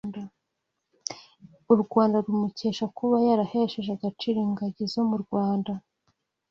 U Rwanda rumukesha kuba yarahesheje agaciro ingagi zo mu Rwanda